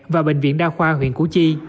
và bệnh viện đa khoa huyện củ chi